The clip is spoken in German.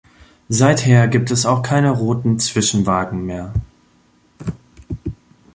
Seither gibt es auch keine roten Zwischenwagen mehr.